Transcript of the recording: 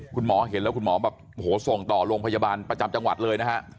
คุณหมอเห็นแล้วคุณหมอแบบโอ้โหส่งต่อโรงพยาบาลประจำจังหวัดเลยนะฮะ